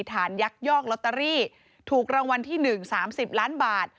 มีฐานยักษ์ยอกลอตเตอรี่ถูกรางวัลที่หนึ่งสามสิบล้านบาท